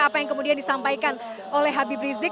apa yang kemudian disampaikan oleh habib rizik